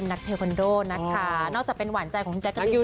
นักเทคอนโดนะค่ะนอกจากเป็นหวานใจของแจ๊คก็ได้แล้ว